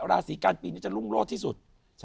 ราศีกันปีนี้จะรุ่งโรดที่สุด